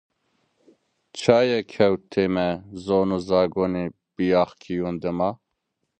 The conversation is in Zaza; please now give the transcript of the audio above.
Çaye kewtime zon u zagonê biyaxkiyun dıma?